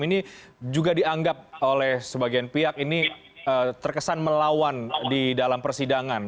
ini juga dianggap oleh sebagian pihak ini terkesan melawan di dalam persidangan